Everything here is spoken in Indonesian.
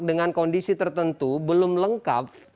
dengan kondisi tertentu belum lengkap